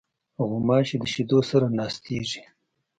غوماشې د شیدو سره ناستېږي.